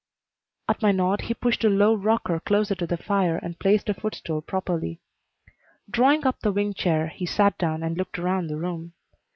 At my nod he pushed a low rocker closer to the fire and placed a foot stool properly. Drawing up the wing chair he sat down and looked around the room.